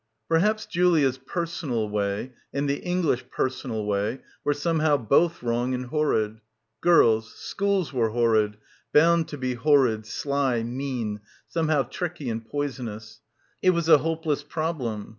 Perhaps Julia's 'personal' way and the English 'personal' way were somehow both wrong and — 277 — PILGRIMAGE horrid ... girls, schools were horrid, bound to be horrid, sly, mean, somehow tricky and poison ous. It was a hopeless problem.